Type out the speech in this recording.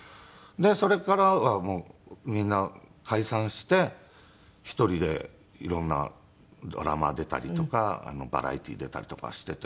でそれからはもうみんな解散して１人で色んなドラマ出たりとかバラエティー出たりとかしていて。